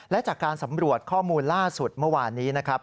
และจากการสำรวจข้อมูลล่าสุดเมื่อวานนี้นะครับ